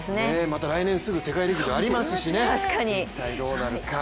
また来年すぐ世界陸上ありますしね、一体どうなるか。